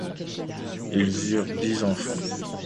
Ils eurent dix enfants.